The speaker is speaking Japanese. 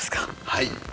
はい！